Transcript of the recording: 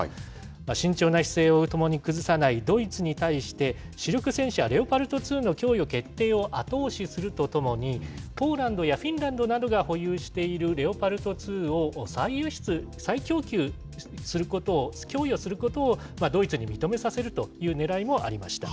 慎重な姿勢をともに崩さないドイツに対して、主力戦車、レオパルト２の供与決定を後押しするとともに、ポーランドやフィンランドなどが保有しているレオパルト２を、再供給、供与することをドイツに認めさせるというねらいもありました。